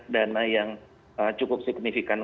dana yang cukup signifikan